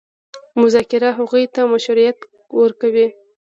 مذاکره هغوی ته مشروعیت ورکوي.